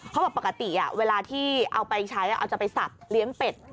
เขาบอกปกติเวลาที่เอาไปใช้จะไปสับเลี้ยงเป็ด